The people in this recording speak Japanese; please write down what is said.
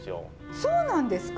そうなんですか。